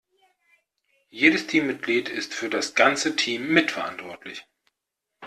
Jedes Teammitglied ist für das ganze Team mitverantwortlich.